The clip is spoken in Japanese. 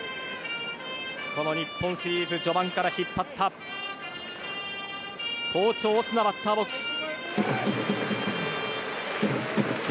この日本シリーズ序盤から引っ張った好調、オスナバッターボックス。